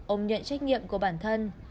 ông nhận trách nhiệm của bản thân